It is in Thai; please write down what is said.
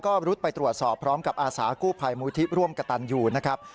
ก็รุดไปตรวจสอบพร้อมกับอาสากู้ภัยมูลที่ร่วมกระตันอยู่นะครับ